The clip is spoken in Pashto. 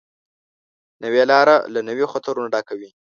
نوې لاره له نویو خطرونو ډکه وي